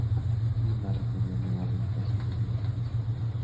Bhima recurrió nuevamente a su amigo Krisná.